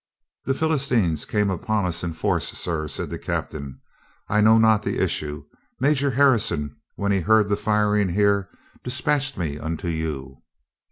"The Philistines came upon us in force, sir," said the captain. "I know not the issue. Major Har rison, when he heard the firing here, dispatched me unto you."